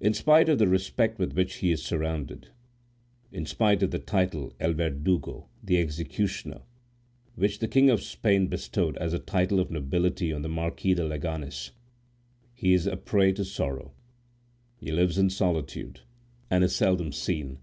In spite of the respect with which he is surrounded, in spite of the title El Verdugo (the executioner) which the King of Spain bestowed as a title of nobility on the Marquis de Leganes, he is a prey to sorrow; he lives in solitude, and is seldom seen.